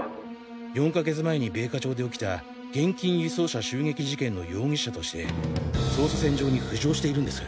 ４か月前に米花町で起きた現金輸送車襲撃事件の容疑者として捜査線上に浮上しているんです。